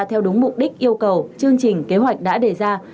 theo đúng mục đích yêu cầu chương trình kế hoạch đã đề ra